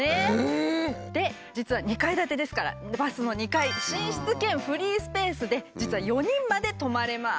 実は２階建てですからバスの２階寝室兼フリースペースで実は４人まで泊まれます。